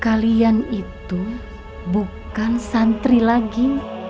kalian itu bukan santri lagi